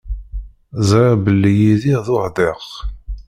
Ẓriɣ belli Yidir d uḥdiq.